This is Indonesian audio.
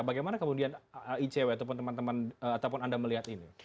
bagaimana kemudian icw ataupun teman teman ataupun anda melihat ini